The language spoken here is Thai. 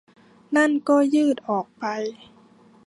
นั่นก็ยืดออกไป